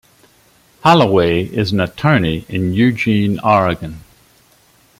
Holloway is an attorney in Eugene, Oregon.